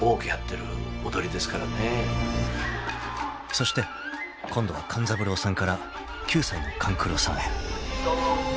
［そして今度は勘三郎さんから９歳の勘九郎さんへ］